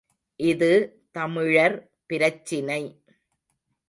இது தமிழர் பிரச்சினை.